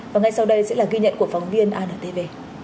và ngay sau đây sẽ là ghi nhận của phóng viên antv